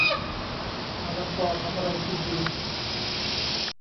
มะละกอทำอะไรกินดี